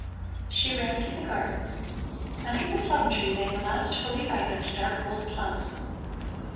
She ran through the garden. Under the plum tree lay the last fully ripened dark gold plums.